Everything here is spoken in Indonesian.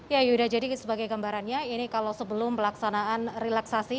ya yuda jadi sebagai gambarannya ini kalau sebelum pelaksanaan relaksasi